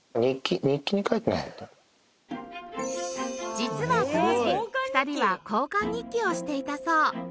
実は当時２人は交換日記をしていたそう